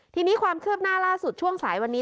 ทีนี้ความคืบหน้าล่าสุดช่วงสายวันนี้